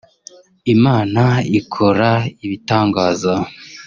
Imana ikora ibitangaza